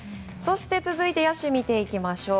続いて野手を見ていきましょう。